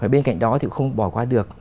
bên cạnh đó thì không bỏ qua được